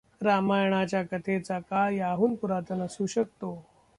रामायणाच्या कथेचा काळ याहून पुरातन असू शकतो.